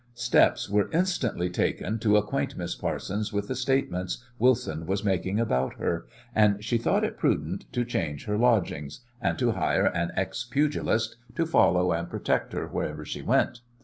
Steps were instantly taken to acquaint Miss Parsons with the statements Wilson was making about her, and she thought it prudent to change her lodgings, and to hire an ex pugilist to follow and protect her wherever she went.